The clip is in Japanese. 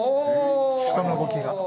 人の動きが。